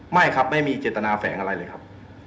ไม่ครับไม่มีเจตนาแฝงอะไรเลยครับ